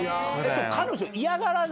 彼女嫌がらない？